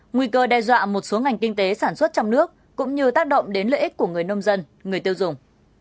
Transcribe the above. nguy cơ đe dọa một số ngành kinh tế sản xuất trong nước cũng như tác động đến lợi ích của người nông dân người tiêu dùng